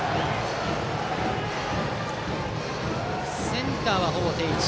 センターはほぼ定位置。